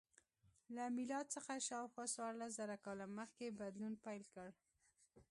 له میلاد څخه شاوخوا څوارلس زره کاله مخکې بدلون پیل کړ.